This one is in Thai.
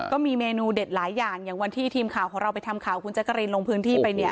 ก็มีเมนูเด็ดหลายอย่างอย่างวันที่ทีมข่าวของเราไปทำข่าวคุณแจ๊กกะรีนลงพื้นที่ไปเนี่ย